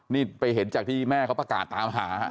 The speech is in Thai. นี่ไปเห็นจากที่แม่เขาประกาศตามหา